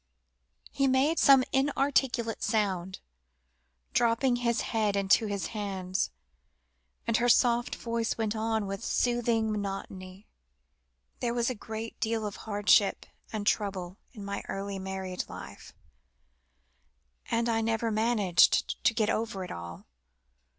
He made some inarticulate sound, dropping his head into his hands, and her soft voice went on, with soothing monotony "There was a great deal of hardship and trouble in my early married life, and I never managed to get over it all.